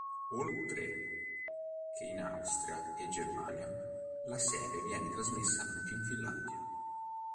Oltre che in Austria e Germania, la serie viene trasmessa anche in Finlandia.